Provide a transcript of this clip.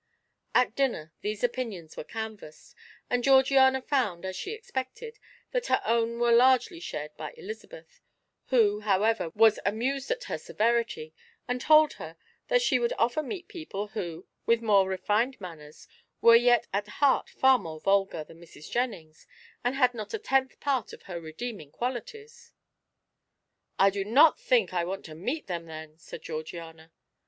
At dinner these opinions were canvassed, and Georgiana found, as she expected, that her own were largely shared by Elizabeth, who, however, was amused at her severity, and told her that she would often meet people who, with more refined manners, were yet at heart far more vulgar than Mrs. Jennings and had not a tenth part of her redeeming qualities. "I do not think I want to meet them, then," said Georgiana.